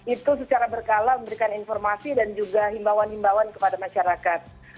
itu secara berkala memberikan informasi dan juga himbauan himbauan kepada masyarakat